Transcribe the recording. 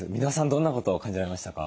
どんなことを感じられましたか？